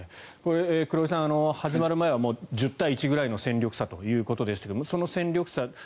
黒井さん、始まる前は１０対１という戦力差ということでしたがその戦力差